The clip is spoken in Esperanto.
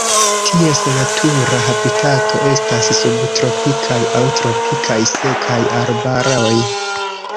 Ties natura habitato estas subtropikaj aŭ tropikaj sekaj arbaroj.